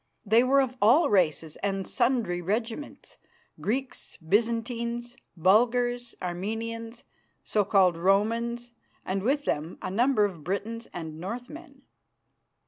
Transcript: They were of all races and sundry regiments, Greeks, Byzantines, Bulgars, Armenians, so called Romans, and with them a number of Britons and northern men.